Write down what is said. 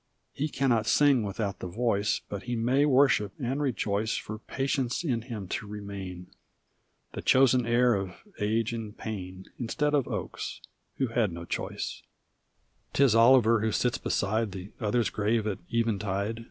He cannot sing without the voice. But he may worship and rejoice For patience in him to remain. The chosen heir of age and pain. Instead of Oakes — ^who had no choice. 'Tis Oliver who sits beside The other's grave at eventide.